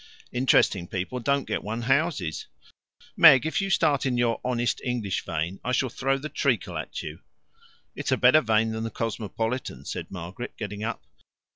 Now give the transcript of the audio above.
"Interesting people don't get one houses." "Meg, if you start in your honest English vein, I shall throw the treacle at you." "It's a better vein than the cosmopolitan," said Margaret, getting up.